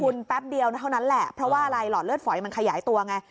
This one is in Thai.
คุณแป๊บเดียวเท่านั้นแหละเพราะว่าอะไรหลอดเลือดฝอยมันขยายตัวไง